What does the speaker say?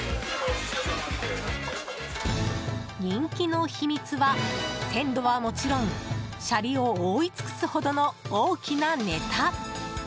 人気の秘密は、鮮度はもちろんシャリを覆い尽くすほどの大きなネタ！